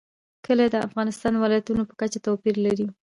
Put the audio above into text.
کلي د افغانستان د ولایاتو په کچه توپیر لري.